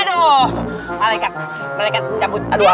aduh mereka mereka mencabut aduah